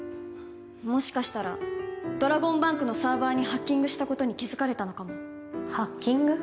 もしかしたらドラゴンバンクのサーバーにハッキングしたことに気づかれたのかもハッキング？